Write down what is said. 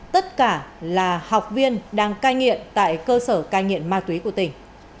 tất cả là học viên đang cai nghiện tại cơ sở cai nghiện ma túy của tỉnh